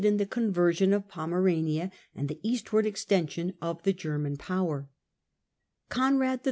127 in the conversion of Pomerania and the eastward exten sion of the German power. Conrad III.